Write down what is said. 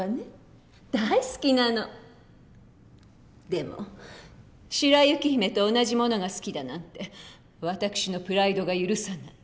でも白雪姫と同じものが好きだなんて私のプライドが許さない。